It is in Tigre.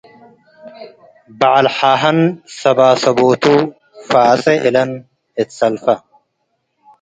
በዐል ሓሀን ሰባሰቦቱ - ፋጼ እለን እት ሰልፈ